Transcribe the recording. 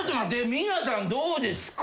皆さんどうですか？